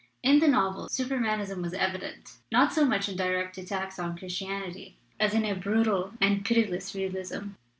In the novel Supermanism was evi dent not so much in direct attacks on Christianity as in a brutal and pitiless realism.